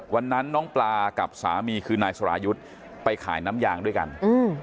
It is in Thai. วันนั้นน้องปลากับสามีคือนายสรายุทธ์ไปขายน้ำยางด้วยกันอืม